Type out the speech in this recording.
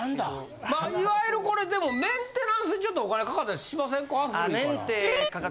まあいわゆるこれでもメンテナンスにちょっとお金かかったりしませんか？